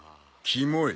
キモい。